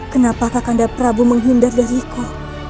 kenapa kaknda prabu menghindar dariku